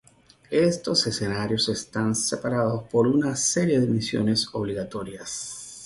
Estos escenarios están separados por una serie de misiones obligatorias.